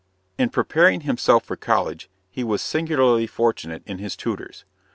In preparing himself for college he was singularly fortunate in his tutors.